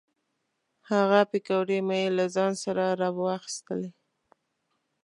هغه پیکورې مې له ځان سره را واخیستلې.